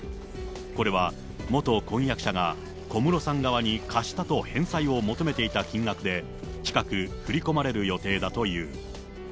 これは元婚約者が小室さん側に貸したと返済を求めていた金額で、近く振り込まれる予定だという。